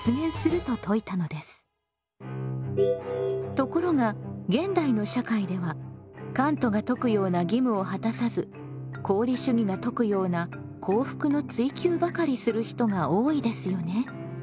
ところが現代の社会ではカントが説くような義務を果たさず功利主義が説くような幸福の追求ばかりする人が多いですよね。